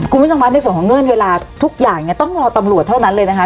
คุณผู้ชมคะในส่วนของเงื่อนเวลาทุกอย่างเนี่ยต้องรอตำรวจเท่านั้นเลยนะคะ